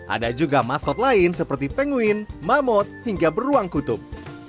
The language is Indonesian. ada juga maskot lain seperti penguin mamot hingga beruang kutub